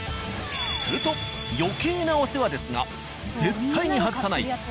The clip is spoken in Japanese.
すると余計なお世話ですが絶対に外さない